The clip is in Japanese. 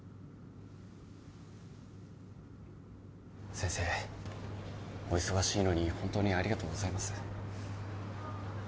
先生お忙しいのに本当にありがとうございます。